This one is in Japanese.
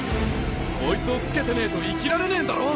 こいつをつけてねえと生きられねえんだろ？